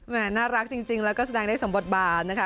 น่ารักจริงแล้วก็แสดงได้สมบทบาทนะคะ